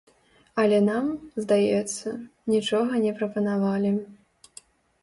Але нам, здаецца, нічога не прапанавалі.